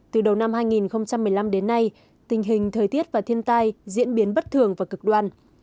từ đầu năm hai nghìn một mươi năm đến nay tình hình thời tiết và thiên tai diễn biến bất thường và cực đoan